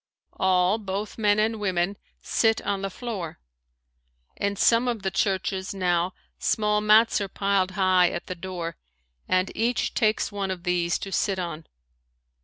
All, both men and women, sit on the floor. In some of the churches now small mats are piled high at the door and each takes one of these to sit on.